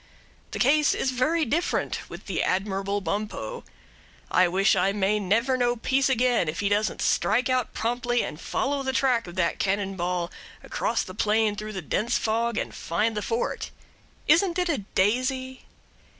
The case is very different with the admirable Bumppo. I wish I may never know peace again if he doesn't strike out promptly and follow the track of that cannon ball across the plain through the dense fog and find the fort. Isn't it a daisy?